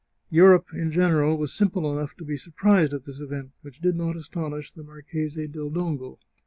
Europe in general was simple enough to be sur prised at this event, which did not astonish the Marchese del Dongo.